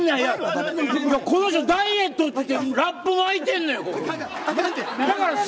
この人ダイエットって言ってここにラップ巻いてんのよ。